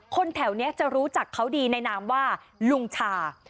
แถวนี้จะรู้จักเขาดีในนามว่าลุงชา